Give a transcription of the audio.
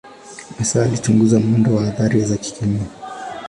Hasa alichunguza mwendo wa athari za kikemia.